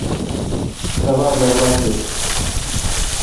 تبا برباد بیل۔